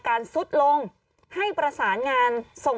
กล้องกว้างอย่างเดียว